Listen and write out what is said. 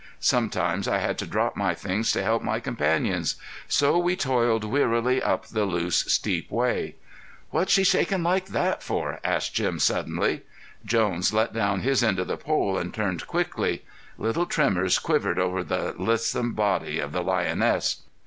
Sometimes I had to drop my things to help my companions. So we toiled wearily up the loose, steep way. "What's she shakin' like that for?" asked Jim suddenly. Jones let down his end of the pole and turned quickly. Little tremors quivered over the lissome body of the lioness.